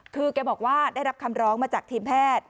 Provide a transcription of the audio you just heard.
คือแกบอกว่าได้รับคำร้องมาจากทีมแพทย์